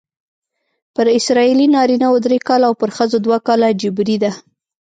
پر اسرائیلي نارینه وو درې کاله او پر ښځو دوه کاله جبری ده.